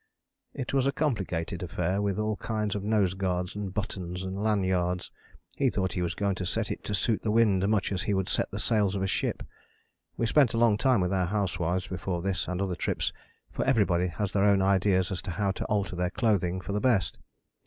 It was a complicated affair with all kinds of nose guards and buttons and lanyards: he thought he was going to set it to suit the wind much as he would set the sails of a ship. We spent a long time with our housewifes before this and other trips, for everybody has their own ideas as to how to alter their clothing for the best.